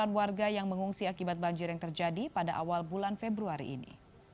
delapan warga yang mengungsi akibat banjir yang terjadi pada awal bulan februari ini